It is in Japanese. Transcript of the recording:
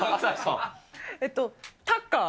えっと、タッカー？